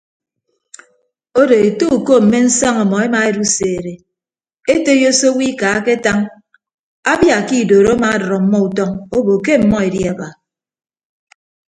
Odo ete uko mme nsaña ọmọ emaeduseede etoiyo se owo ika aketañ abia ke idoro amadʌd ọmmọ utọñ obo ke ọmmọ edi aba.